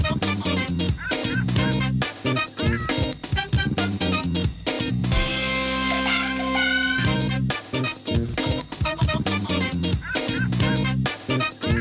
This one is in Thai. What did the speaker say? โอเคโอเค